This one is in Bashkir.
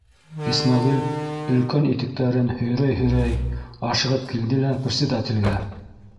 Исмәғил, өлкән итектәрен һөйрәй-һөйрәй, ашығып килде лә председателгә: